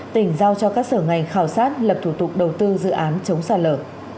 tỉnh giao cho các sở ngành khảo sát lập thủ tục đầu tư dự án chống sạt lở